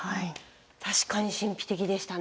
確かに神秘的でしたね。